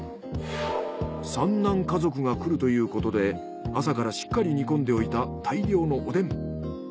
三男家族が来るということで朝からしっかり煮込んでおいた大量のおでん。